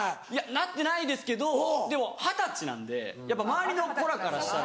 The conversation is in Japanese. なってないですけどでも二十歳なんでやっぱ周りの子らからしたら。